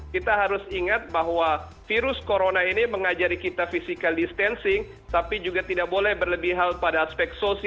kita harus ingat bahwa virus corona ini mengajari kita physical distancing tapi juga tidak boleh berlebihan pada aspek sosial